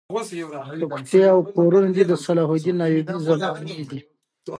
که کوڅې او که کورونه دي د صلاح الدین ایوبي زمانې دي.